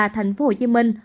thành phố hồ chí minh